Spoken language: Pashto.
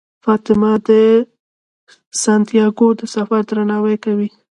فاطمه د سانتیاګو د سفر درناوی کوي.